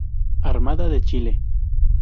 Armada de Chile